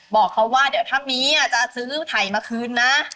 บอกเขาว่าเดี๋ยวถ้ามีจะซื้อไถ่มาคืนนะ